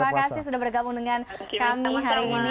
terima kasih sudah bergabung dengan kami hari ini